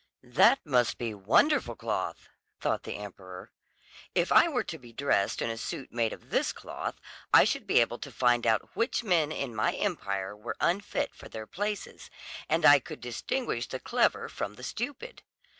"That must be wonderful cloth," thought the emperor. "If I were to be dressed in a suit made of this cloth I should be able to find out which men in my empire were unfit for their places, and I could distinguish the clever from the stupid.